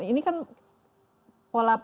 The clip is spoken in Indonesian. ini kan pola